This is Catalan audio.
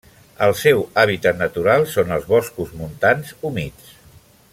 El seu hàbitat natural són els boscos montans humits.